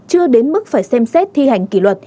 chưa đến mức phải xem xét thi hành kỷ luật